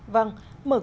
vâng mở cửa